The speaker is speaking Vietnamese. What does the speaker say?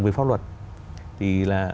về pháp luật thì là